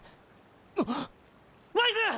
あっワイズ！